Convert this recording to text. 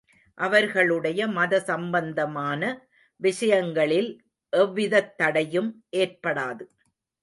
அவர்களுடைய மத சம்பந்தமான விஷயங்களில் எவ்விதத் தடையும் ஏற்படாது.